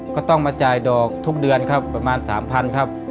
ก็ต้องมาจ่ายดอกทุกเดือนครับประมาณ๓๐๐๐ครับ